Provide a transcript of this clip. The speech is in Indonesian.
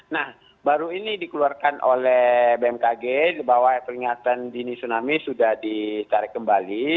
nah baru ini dikeluarkan oleh bmkg bahwa peringatan dini tsunami sudah ditarik kembali